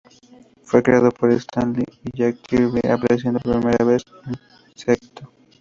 Fue creado por Stan Lee y Jack Kirby, apareciendo por primera vez en "Sgto.